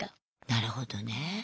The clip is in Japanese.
なるほどね。